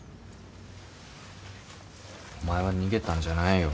お前は逃げたんじゃないよ。